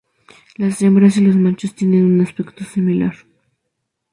Las hembras y los machos tienen un aspecto similar.